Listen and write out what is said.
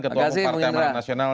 ketua umum partai amanat nasional